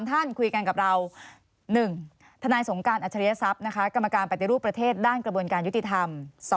ท่านคุยกันกับเรา๑ทนายสงการอัจฉริยศัพย์นะคะกรรมการปฏิรูปประเทศด้านกระบวนการยุติธรรม